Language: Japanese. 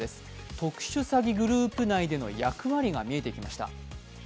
特殊詐欺グループ内での役割が見えてきました。